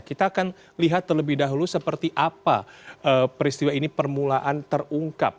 kita akan lihat terlebih dahulu seperti apa peristiwa ini permulaan terungkap